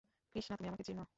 কৃষ্ণা, তুমি আমাকে চিনো।